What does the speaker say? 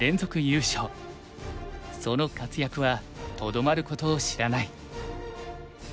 その活躍はとどまることを知らない。